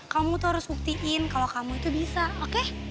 kamu tuh harus buktiin kalau kamu itu bisa oke